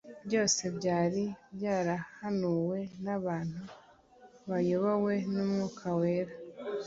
byose byari byarahanuwe n' abantu bayobowe n'Umwuka wera.